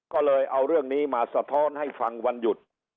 ก็เลยเอาเรื่องนี้มาสะท้อนให้ฟังวันหยุด